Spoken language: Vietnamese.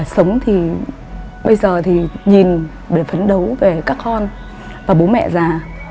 sống thì bây giờ thì nhìn để phấn đấu về các con và bố mẹ già